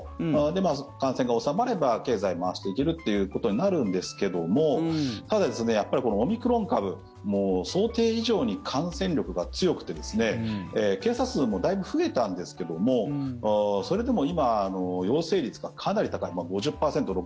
で、感染が収まれば経済を回していけるってことになるんですけどもただ、やっぱりこのオミクロン株もう想定以上に感染力が強くて検査数もだいぶ増えたんですけどもそれでも今、陽性率がかなり高い５０％、６０％。